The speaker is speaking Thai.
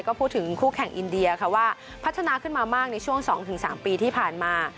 ก็พูดถึงคู่แข่งอินเดียค่ะว่าพัฒนาขึ้นมามากในช่วง๒๓ปีที่ผ่านมา